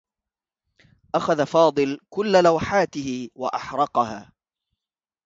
أخذ فاضل كلّ لوحاته و أحرقها.